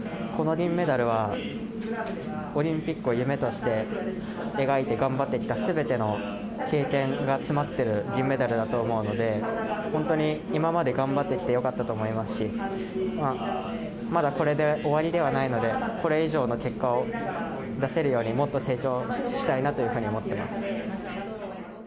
この銀メダルはオリンピックを夢として、描いて頑張ってきたすべての経験が詰まってる銀メダルだと思うので、本当に今まで頑張ってきてよかったと思いますし、まだこれで終わりではないので、これ以上の結果を出せるように、もっと成長したいなというふうに思ってます。